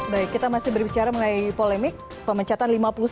baik kita masih berbicara mengenai polemik pemecatan lima puluh sembilan